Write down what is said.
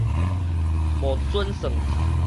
無準算